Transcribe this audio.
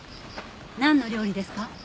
なんの料理ですか？